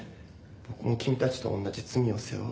僕も君たちとおんなじ罪を背負う。